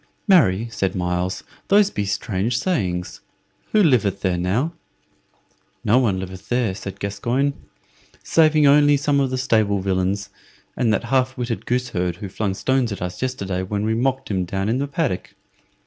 "Marry," said Myles, "those same be strange sayings. Who liveth there now?" "No one liveth there," said Gascoyne, "saving only some of the stable villains, and that half witted goose herd who flung stones at us yesterday when we mocked him down in the paddock.